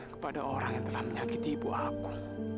kepada orang yang telah menyakiti ibu aku